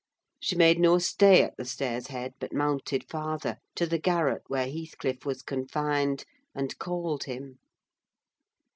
She made no stay at the stairs' head, but mounted farther, to the garret where Heathcliff was confined, and called him.